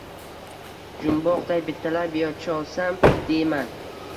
Jumboqday bittalab yecholsam, deyman.